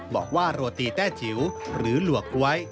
บอกว่าโรตีแต้จิ๋วหรือหลัวก๊วย